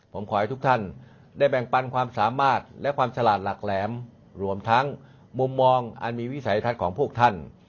ผมขอให้ทุกท่านได้แบ่งปันความสามารถและความฉลาดหลักแหลมรวมทั้งมุมมองอันมีวิสัยทัศน์ของพวกท่าน